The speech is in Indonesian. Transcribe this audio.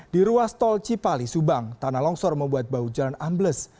di ruas tol cipali subang tanah longsor membuat bahu jalan ambles